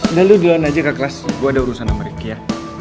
udah lu duluan aja ke kelas gue ada urusan sama ricky ya